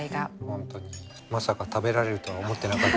本当にまさか食べられるとは思ってなかった。